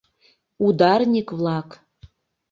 Ударник-влак!